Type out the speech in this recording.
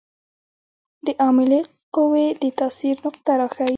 د عاملې قوې د تاثیر نقطه راښيي.